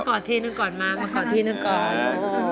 มาก่อทีหนึ่งก่อนมามาก่อทีหนึ่งก่อน